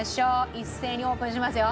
一斉にオープンしますよ。